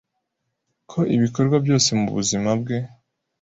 Ko ibikorwa byose mubuzima bwe